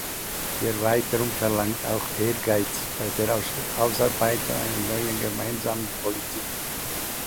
Die Erweiterung verlangt auch Ehrgeiz bei der Ausarbeitung einer neuen gemeinsamen Politik.